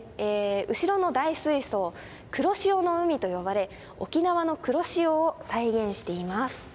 後ろの大水槽「黒潮の海」と呼ばれ沖縄の黒潮を再現しています。